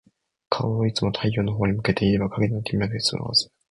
顔をいつも太陽のほうに向けていれば、影なんて見なくて済むはず。